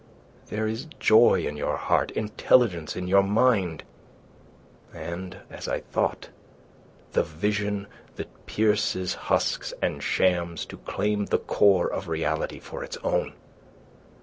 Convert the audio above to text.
There is joy in your heart, intelligence in your mind; and, as I thought, the vision that pierces husks and shams to claim the core of reality for its own.